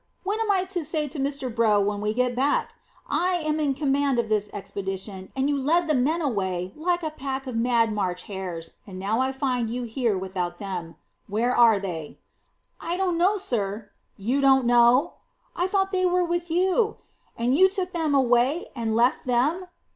What am I to say to Mr Brough when we get back? I am in command of this expedition, and you lead the men away like a pack of mad March hares, and now I find you here without them. Where are they?" "I don't know, sir." "You don't know!" "I thought they were with you." "And you took them away and left them?"